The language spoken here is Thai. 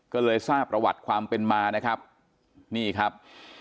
ก็เลยทราบประวัติความเป็นมานะครับนี่ครับ